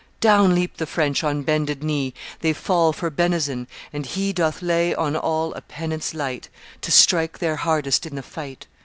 "Down leap the French, on bended knee They fall for benison; and he Doth lay on all a penance light To strike their hardest in the fight.